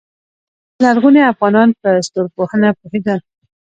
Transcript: لرغوني افغانان په ستورپوهنه پوهیدل